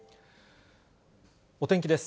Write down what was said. お天気です。